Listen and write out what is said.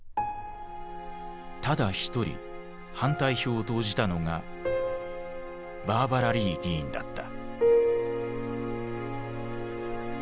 ただ一人反対票を投じたのがバーバラ・リー議員だった。